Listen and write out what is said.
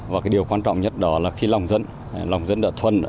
và điều quan trọng nhất đó là khi lòng dẫn lòng dẫn đợt thuân